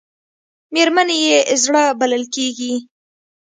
مېرمنې یې زړه بلل کېږي .